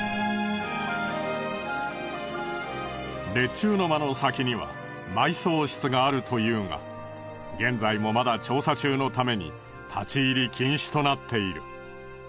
列柱の間の先には埋葬室があるというが現在もまだ調査中のために立ち入り禁止となっている。